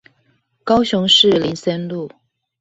高雄市林森路